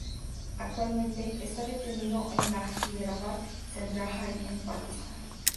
Actualmente está detenido en la Hyderabad Central Jail en Pakistán.